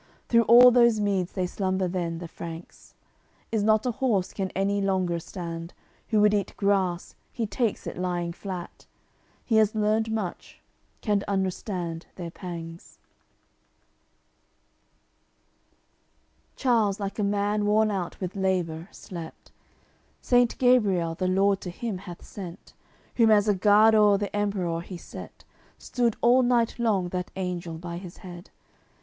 Through all those meads they slumber then, the Franks; Is not a horse can any longer stand, Who would eat grass, he takes it lying flat. He has learned much, can understand their pangs. CLXXXV Charles, like a man worn out with labour, slept. Saint Gabriel the Lord to him hath sent, Whom as a guard o'er the Emperour he set; Stood all night long that angel by his head.